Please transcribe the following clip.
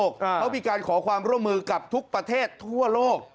เขามีการขอความร่วมมือกับทุกประเทศทั่วโลก